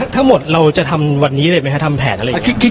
ทั้งหมดเราจะทำวันนี้เลยไหมคะทำแผนอะไรอย่างนี้